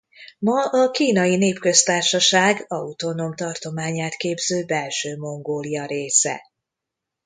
Ma a Kínai Népköztársaság autonóm tartományát képző Belső-Mongólia része.